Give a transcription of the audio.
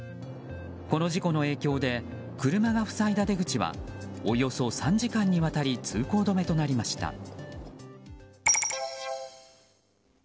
この事故の影響で車が塞いだ出口はおよそ３時間にわたり通行止めとなりました。